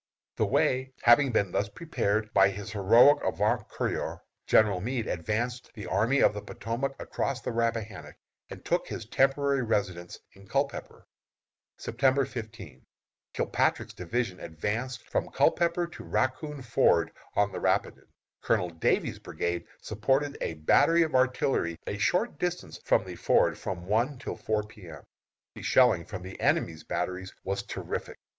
The way having been thus prepared by his heroic avant couriers, General Meade advanced the Army of the Potomac across the Rappahannock, and took his temporary residence in Culpepper. September 15. Kilpatrick's division advanced from Culpepper to Raccoon Ford on the Rapidan. Colonel Davies' brigade supported a battery of artillery a short distance from the ford from one till four P. M. The shelling from the enemy's batteries was terrific.